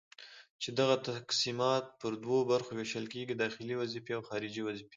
چي دغه تقسيمات پر دوو برخو ويشل کيږي:داخلي وظيفي او خارجي وظيفي